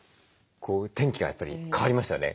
天気がやっぱり変わりましたよね。